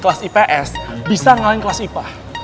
kelas ips bisa ngalahin kelas ipah